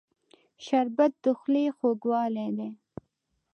شربت د خولې خوږوالی دی